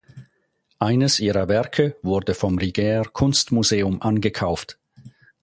Eines ihrer Werke wurde vom Rigaer Kunstmuseum angekauft.